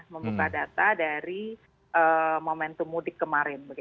membuka data dari momentum mudik kemarin